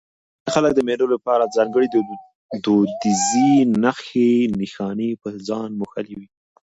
ځيني خلک د مېلو له پاره ځانګړي دودیزې نخښي نښانې پر ځان موښلوي.